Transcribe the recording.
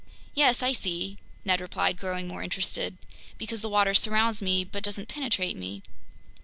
"Yes, I see," Ned replied, growing more interested. "Because the water surrounds me but doesn't penetrate me."